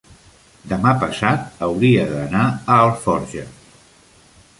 demà passat hauria d'anar a Alforja.